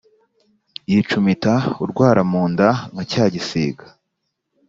yicumita urwara mu nda nka cya gisiga.